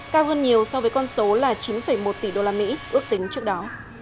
cao hơn nhiều so với con số là chín một tỷ đô la mỹ ước tính trước đó